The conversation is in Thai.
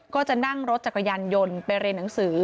ก็จะนั่งรถจักรยานยนต์ไปเรียนหนังสือ